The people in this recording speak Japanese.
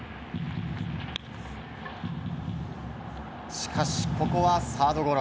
しかし、ここはサードゴロ。